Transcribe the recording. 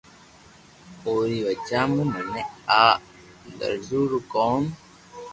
اي ري وجہ مون مني آ درزو رو ڪوم